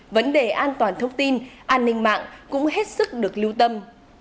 vấn đề an toàn thông tin an ninh mạng cũng hết sức được lưu tâm